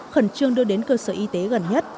khẩn trương đưa đến cơ sở y tế gần nhất